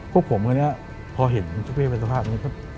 พวกผมเนี่ยพอเห็นเจ้าเป๊ะเป็นสภาพนี้